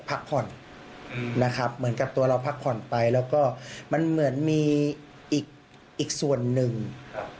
พักผ่อนอืมนะครับเหมือนกับตัวเราพักผ่อนไปแล้วก็มันเหมือนมีอีกอีกส่วนหนึ่งครับ